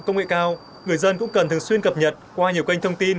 công nghệ cao người dân cũng cần thường xuyên cập nhật qua nhiều kênh thông tin